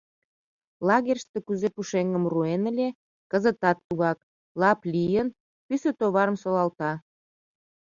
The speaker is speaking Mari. Лагерьыште кузе пушеҥгым руэн ыле, кызытат тугак, лап лийын, пӱсӧ товарым солалта.